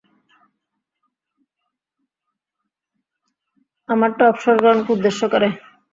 আমারটা অবসর গ্রহণকে উদ্দেশ্য করে!